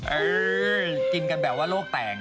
เออกินกันแบบว่าโลกแตก